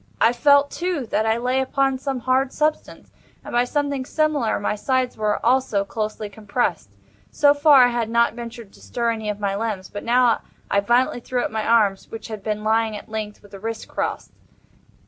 I felt, too, that I lay upon some hard substance; and by something similar my sides were, also, closely compressed. So far, I had not ventured to stir any of my limbs—but now I violently threw up my arms, which had been lying at length, with the wrists crossed.